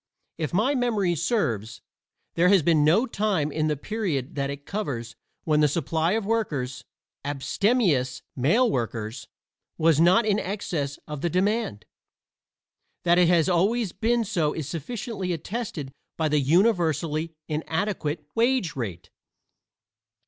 If my memory serves, there has been no time in the period that it covers when the supply of workers abstemious male workers was not in excess of the demand. That it has always been so is sufficiently attested by the universally inadequate wage rate.